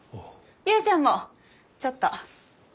ユーちゃんもちょっと。